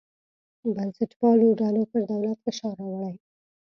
بنسټپالو ډلو پر دولت فشار راوړی.